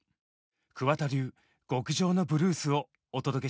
桑田流極上のブルースをお届けします。